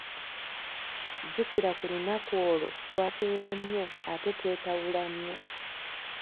Jjukira ku lunaku olwo twakeera nnyo ate twetawula nnyo.